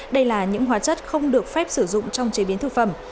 đây là những hóa chất không được phép sử dụng trong chế biến thực phẩm